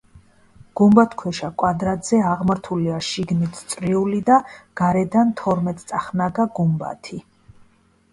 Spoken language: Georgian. გუმბათქვეშა კვადრატზე აღმართულია შიგნით წრიული და გარედან თორმეტწახნაგა გუმბათი.